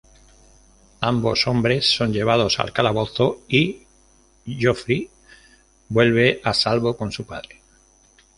Ambos hombres son llevados al calabozo y Geoffrey vuelve a salvo con su padre.